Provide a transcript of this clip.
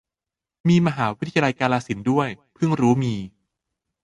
มีมหาวิทยาลัยกาฬสินธ์ด้วย เพิ่งรู้มี